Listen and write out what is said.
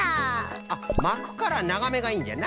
あっまくからながめがいいんじゃな。